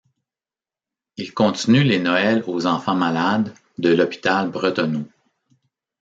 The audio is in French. Il continue les Noëls aux enfants malades de l'hôpital Bretonneau.